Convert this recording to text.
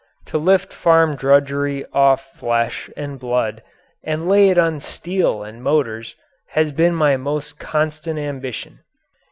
To lift farm drudgery off flesh and blood and lay it on steel and motors has been my most constant ambition.